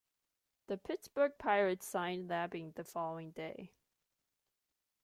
The Pittsburgh Pirates signed Labine the following day.